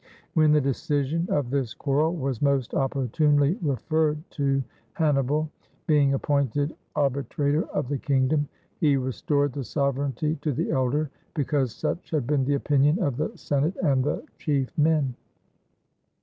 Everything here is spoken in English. When the decision of this quarrel was most opportunely referred to Hannibal, being appointed arbitrator of the kingdom, he restored the sovereignty to the elder, be cause such had been the opinioji of the Senate and the chief men.